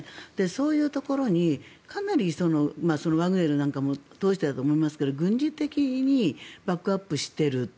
そういうところにかなりワグネルなんかも通してだと思いますが軍事的にバックアップしている。